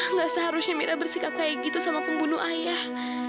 nggak seharusnya mira bersikap kayak gitu sama pembunuh ayah